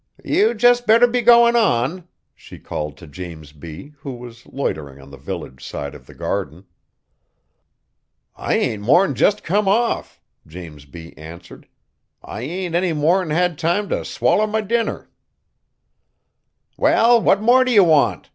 "You jest better be goin' on!" she called to James B., who was loitering on the village side of the garden. "I ain't more'n jest come off!" James B. answered. "I ain't any more'n had time t' swaller my dinner." "Well, what more do you want?"